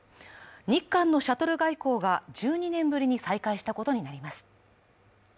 日韓のシャトル外交が１２年ぶりに再開したことになります。